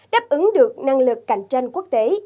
đáp ứng được năng lực cạnh tranh quốc tế